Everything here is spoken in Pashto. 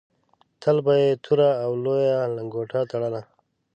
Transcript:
تل به یې توره او لویه لنګوټه تړله.